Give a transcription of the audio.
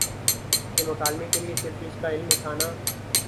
کہ مکالمے کے لیے صرف اس کا علم اٹھانا